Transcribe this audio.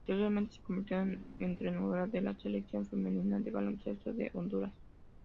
Posteriormente se convirtió en entrenadora de la selección femenina de baloncesto de Honduras.